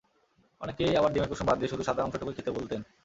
অনেকেই আবার ডিমের কুসুম বাদ দিয়ে শুধু সাদা অংশটুকুই খেতে বলতেন।